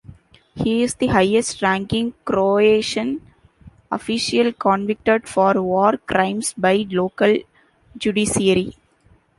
He is the highest ranking Croatian official convicted for war crimes by local judiciary.